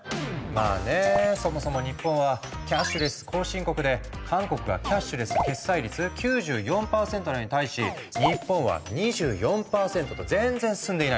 まあねそもそも日本はキャッシュレス後進国で韓国がキャッシュレス決済率９４％なのに対し日本は２４％と全然進んでいないんだ。